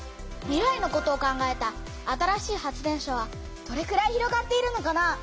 未来のことを考えた新しい発電所はどれくらい広がっているのかな？